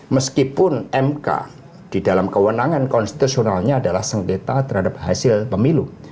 meskipun mk di dalam kewenangan konstitusionalnya adalah sengketa terhadap hasil pemilu